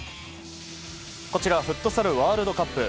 こちらはフットサルワールドカップ。